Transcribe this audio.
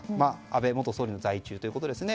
安倍元総理の在位中ということですね。